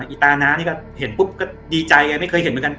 อีตาน้านี่ก็เห็นปุ๊บก็ดีใจไงไม่เคยเห็นเหมือนกัน